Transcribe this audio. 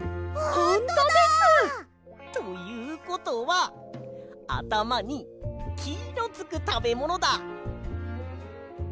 ほんとです！ということはあたまに「き」のつくたべものだ！